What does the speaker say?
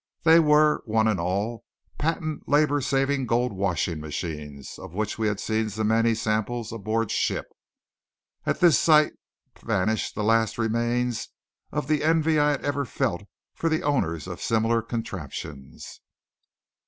They were, one and all, patent labour saving gold washing machines, of which we had seen so many samples aboard ship. At this sight vanished the last remains of the envy I had ever felt for the owners of similar contraptions.